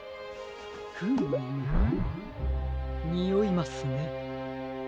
フームにおいますね。